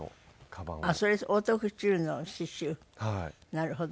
なるほど。